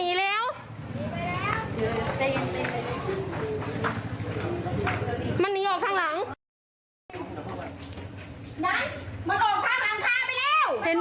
เดี๋ยวให้กลางกินขนม